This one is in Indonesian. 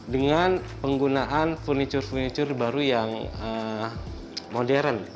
dengan penggunaan furniture furniture baru yang modern